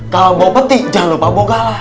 kalau bawa peti jangan lupa bawa gala